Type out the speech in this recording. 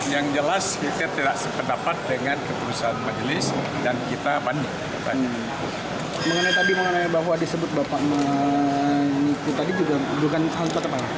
yang jelas kita tidak sependapat dengan keputusan majelis dan kita banding